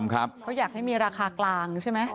เขาอยากให้มีราคากลางใช่ไหม